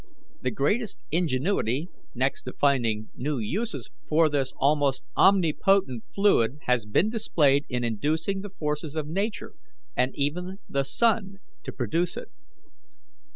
The greatest ingenuity next to finding new uses for this almost omnipotent fluid has been displayed in inducing the forces of Nature, and even the sun, to produce it.